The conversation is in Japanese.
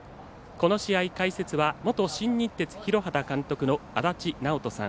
この試合解説は元新日鉄広畑監督の足達尚人さん。